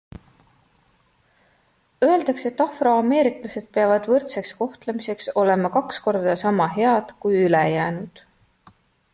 Öeldakse, et afroameeriklased peavad võrdseks kohtlemiseks olema kaks korda sama head kui ülejäänud.